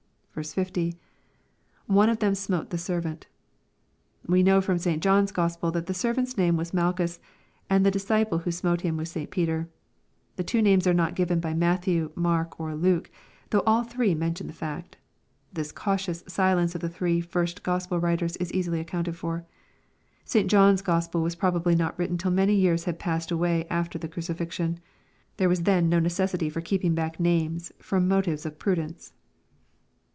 50. — [One of them smote the servant] We know from St. John's Gk)spel, that the servant's name was Malchus, and the disciple who smote him was St. Peter. The two names are not given by Matthew, Mark, or Luke, though all three mention the fact. This cautious silence of the three first Q ospel writers is easily accounted for. St John's Grospel was probably not written till many years had passed away after the crucifixion. There was then no necessity for keeping back names from motives of pru dence.